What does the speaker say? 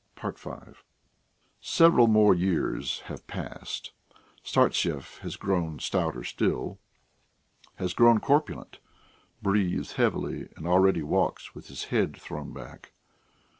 V Several more years have passed. Startsev has grown stouter still, has grown corpulent, breathes heavily, and already walks with his head thrown back.